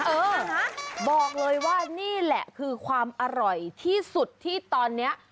เออนะบอกเลยว่านี่แหละคือความอร่อยที่สุดที่ตอนนี้